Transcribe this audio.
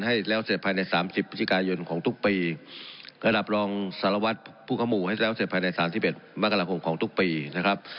ให้แล้วเสร็จภายในสามสิบพฤศจิกายนของทุกปีระดับรองสารวัตรผู้ขมูให้แล้วเสร็จภายในสามสิบเอ็ดมกราคมของทุกปีนะครับ